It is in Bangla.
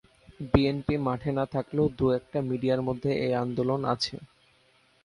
বিএনপি মাঠে না থাকলেও দু একটা মিডিয়ার মধ্যে এই আন্দোলন আছে।